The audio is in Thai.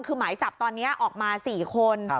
คือหมายจับตอนนี้ออกมา๔คน